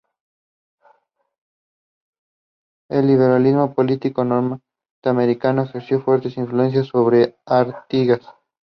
El liberalismo político norteamericano ejerció fuerte influencia sobre Artigas.